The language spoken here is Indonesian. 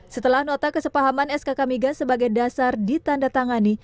setelah nota kesepahaman skk migas sebagai dasar ditanda tangani